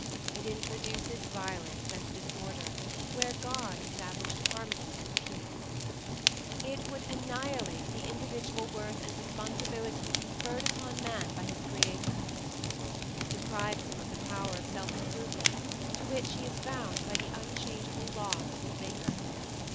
It introduces violence and disorder, where God established harmony and peace. It would annihilate the individual worth and responsibility conferred upon man by his Creator. It deprives him of the power of self improvement, to which he is bound by the unchangeable laws of his Maker.